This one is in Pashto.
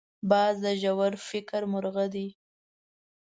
باز د ژور فکر مرغه دی